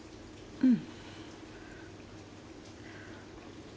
うん。